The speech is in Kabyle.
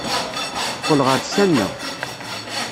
Teqqel ɣer tkanna.